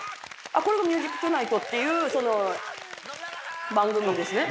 これが「ミュージック・トゥナイト」っていう番組なんですね。